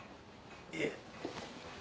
いえ。